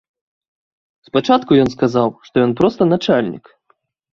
Спачатку ён сказаў, што ён проста начальнік.